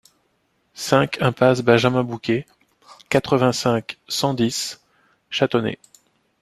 cinq impasse Benjamin Bouquet, quatre-vingt-cinq, cent dix, Chantonnay